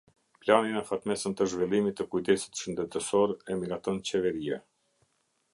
Planin afatmesëm të zhvillimit të kujdesit shëndetësor e miraton Qeveria.